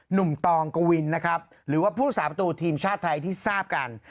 ตองกวินนะครับหรือว่าผู้สาประตูทีมชาติไทยที่ทราบกัน